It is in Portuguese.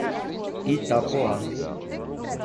Itapoá